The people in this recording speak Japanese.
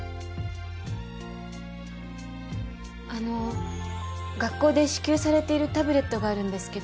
あの学校で支給されているタブレットがあるんですけど。